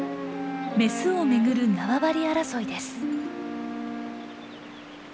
メスをめぐる縄張り争いです。